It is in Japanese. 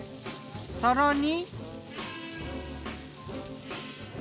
さらに。